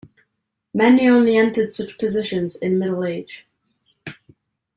Many only entered such positions in middle age.